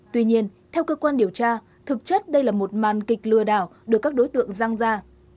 tuy nhiên theo cơ quan điều tra thực chất đây là một màn kịch lừa đảo được các đối tượng răng ra